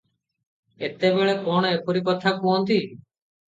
ଏତେବେଳେ କଣ ଏପରି କଥା କହନ୍ତି?